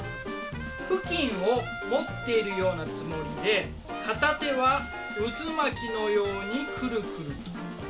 布巾を持っているようなつもりで片手は渦巻きのようにくるくると。